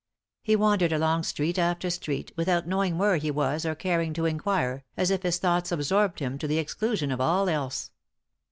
He wandered along street after street, without know ing where he was or caring to inquire, as if his thoughts absorbed him to the exclusion of all else.